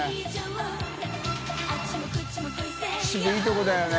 疉いいとこだよね。